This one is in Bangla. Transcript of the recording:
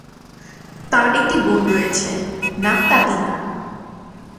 তার একটি বোন রয়েছে, নাম তাতিনা।